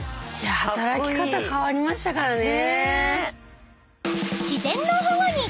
働き方変わりましたからね。